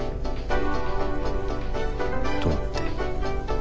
どうって？